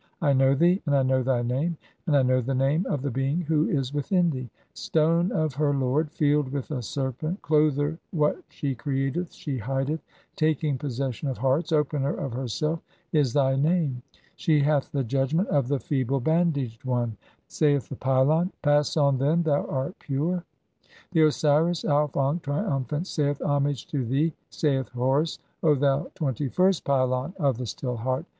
I know thee, and I know thy name, and (69) 1 "know the name of the being who is within thee. 'Stone (?) of "her lord, field with a serpent (?), Clother, what she createth she "hideth, taking possession of hearts, opener of herself, is thy "name. She hath the (70) judgment of the feeble bandaged one." [Saith the pylon :—] "Pass on, then, thou art pure." XXI. (71) The Osiris Auf ankh, triumphant, saith :— "Homage to thee, saith Horus, O thou twenty first pylon of the "Still Heart.